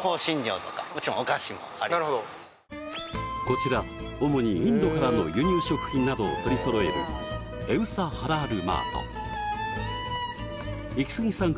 こちら主にインドからの輸入食品などを取り揃えるエウサハラールマートイキスギさん